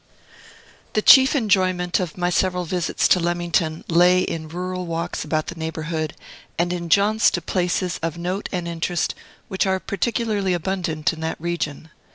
The chief enjoyment of my several visits to Leamington lay in rural walks about the neighborhood, and in jaunts to places of note and interest, which are particularly abundant in that region.